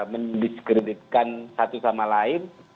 mendiskreditkan satu sama lain